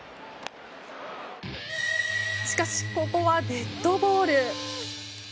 しかし、ここはデッドボール。